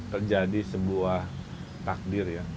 terjadi sebuah takdir ya